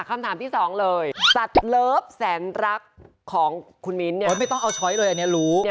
คำถามที่๒เลยสัตว์เลิฟแสนรักของคุณมิ้นท์เนี่ย